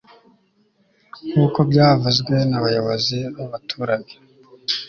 nkuko byavuzwe na bayobozi babaturage